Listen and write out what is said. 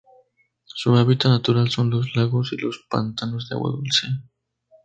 Su hábitat natural son los lagos y los pantanos de agua dulce.